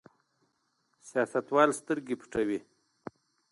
سیاستوال سترګې پټوي.